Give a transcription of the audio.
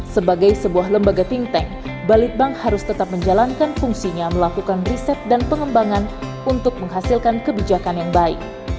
sebagai sebuah lembaga think tank balitbank harus tetap menjalankan fungsinya melakukan riset dan pengembangan untuk menghasilkan kebijakan yang baik